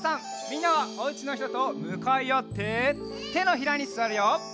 みんなはおうちのひととむかいあっててのひらにすわるよ。